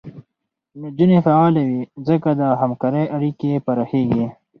نجونې فعاله وي، ځکه د همکارۍ اړیکې پراخېږي.